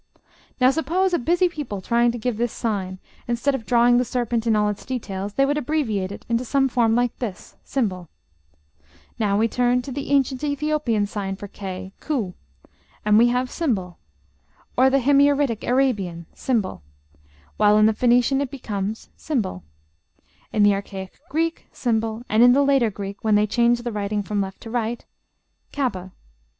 Now suppose a busy people trying to give this sign: instead of drawing the serpent in all its details they would abbreviate it into something like this, ###; now we turn to the ancient Ethiopian sign for k (ka), and we have ###, or the Himyaritic Arabian ###; while in the Phoenician it becomes ###; in the archaic Greek, ###; and in the later Greek, when they changed the writing from left to right, ###.